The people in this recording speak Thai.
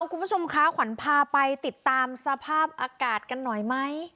คุณผู้ชมคะขวัญพาไปติดตามสภาพอากาศกันหน่อยไหม